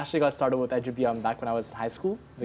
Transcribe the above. kita sebenarnya dimulai dengan edubiom saat saya di sekolah tinggi